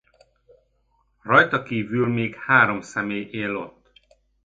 Rajta kívül még három személy él ott.